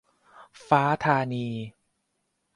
ฟ้าธานี